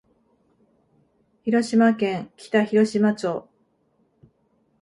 広島県北広島町